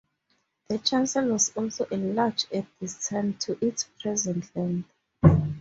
The chancel was also enlarged at this time to its present length.